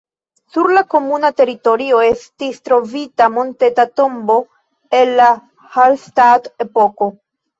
Sur la komunuma teritorio estis trovita monteta tombo el la Hallstatt-epoko.